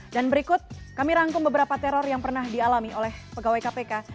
berikut kami rangkum beberapa teror yang pernah dialami oleh pegawai kpk